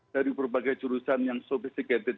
dari berbagai jurusan yang sophisticated